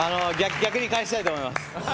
逆に返したいと思います。